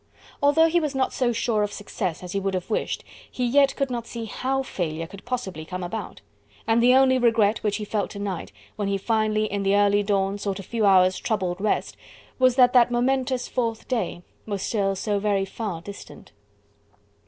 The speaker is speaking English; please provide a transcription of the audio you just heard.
Although he was not so sure of success as he would have wished, he yet could not see how failure could possibly come about: and the only regret which he felt to night, when he finally in the early dawn sought a few hours' troubled rest, was that that momentous fourth day was still so very far distant.